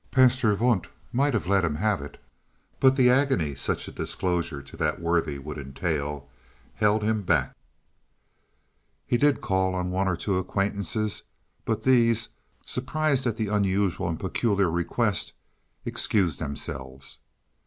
Pastor Wundt might let him have it, but the agony such a disclosure to that worthy would entail held him back. He did call on one or two acquaintances, but these, surprised at the unusual and peculiar request, excused themselves.